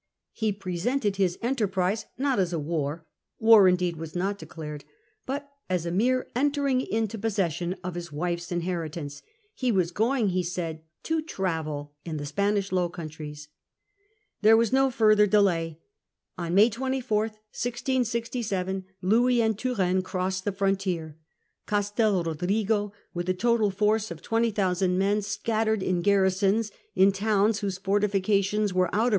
He presented his enterprise not as a war — war indeed was not declared —but as a mere entering into possession of his wife's inheritance. He was going, he said, to travel in the Spanish Low Countries. There was no further delay. On May 24, 1667, Louis and Turenne crossed the frontier. Castel Rodrigo, with Louis over a total f° rce of 2o,ooo men scattered in garri runs the SO ns in towns whose fortifications were out of south of the